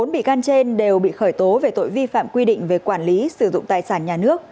bốn bị can trên đều bị khởi tố về tội vi phạm quy định về quản lý sử dụng tài sản nhà nước